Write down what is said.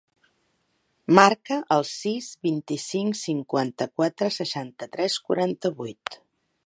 Marca el sis, vint-i-cinc, cinquanta-quatre, seixanta-tres, quaranta-vuit.